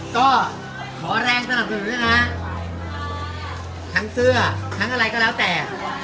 ก็ขอแรงสนับสนุนนะคะทั้งเสื้อทั้งอะไรก็แล้วแต่